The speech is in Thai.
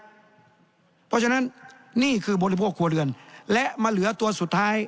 เพราะฉะนั้นนี่คือบริโภคครัวเรือนและมาเหลือตัวสุดท้าย